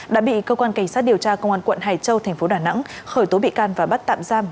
đã bị cơ quan cảnh sát điều tra công an quận hải châu thành phố đà nẵng khởi tố bị can và bắt tạm giam